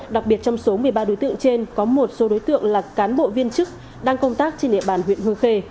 đặc biệt trong số một mươi ba đối tượng trên có một số đối tượng là cán bộ viên chức đang công tác trên địa bàn huyện hương khê